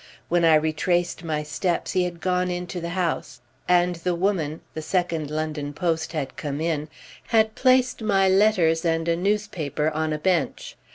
When I retraced my steps he had gone into the house, and the woman—the second London post had come in—had placed my letters and a newspaper on a bench.